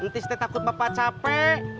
nanti setelah takut bapak capek